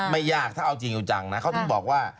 ไม่ยากถ้าเอาจริงอยู่จังนะ